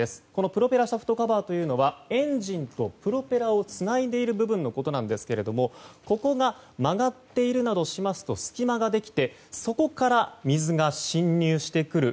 プロペラシャフトカバーとはエンジンとプロペラをつないでいる部分のことですけどここが曲がっているなどしますと隙間ができてそこから水が侵入してくる。